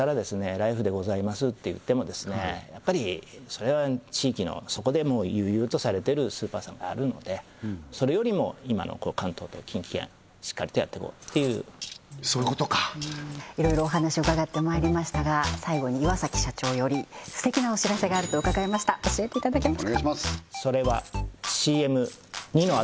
ライフでございますっていってもやっぱりそれは地域のそこでもう悠々とされてるスーパーさんがあるのでそれよりも今の関東と近畿圏しっかりとやってこうっていうそういうことかいろいろお話伺ってまいりましたが最後に岩崎社長より素敵なお知らせがあると伺いました教えていただけますか